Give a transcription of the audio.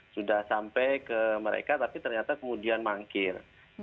sudah sampai ke mereka tapi ternyata kemudian mangkir